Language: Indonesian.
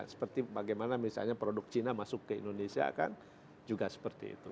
seperti bagaimana misalnya produk cina masuk ke indonesia kan juga seperti itu